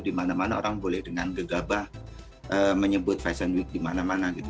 di mana mana orang boleh dengan gegabah menyebut fashion week di mana mana gitu